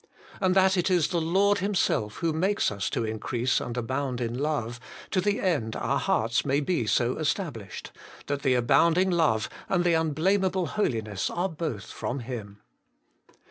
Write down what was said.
And that it is the Lord Himself who makes us to increase and abound in love, to the end our hearts may be so established ; that the abounding love and the unblameable holiness are both from Him.